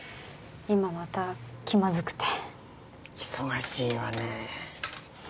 今また気まずくて忙しいわね